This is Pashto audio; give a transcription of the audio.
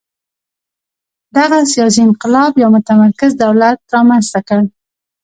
دغه سیاسي انقلاب یو متمرکز دولت رامنځته کړ.